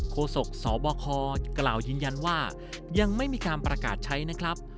ประสบสอบว่าคอกล่าวยินยันว่ายังไม่มีความประกาศใช้นะครับ